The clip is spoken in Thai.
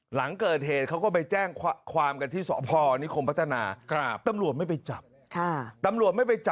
หลังเกิดเหตุเขาก็ไปแจ้งความกันที่สพนิคมพัฒนา